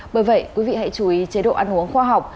bởi vậy quý vị hãy chú ý chế độ ăn uống khoa học